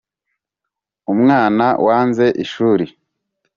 Umwana wanze ishuri